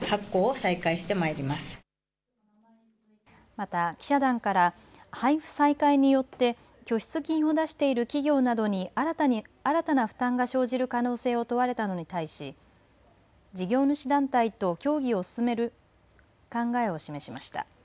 また記者団から配付再開によって拠出金を出している企業などに新たな負担が生じる可能性を問われたのに対し事業主団体と協議を進める考えを示しました。